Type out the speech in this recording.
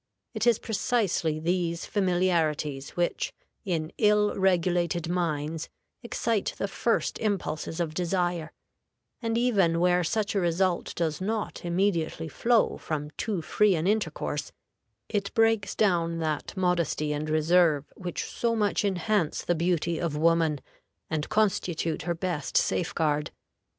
It is precisely these familiarities which, in ill regulated minds, excite the first impulses of desire; and even where such a result does not immediately flow from too free an intercourse, it breaks down that modesty and reserve which so much enhance the beauty of woman, and constitute her best safeguard.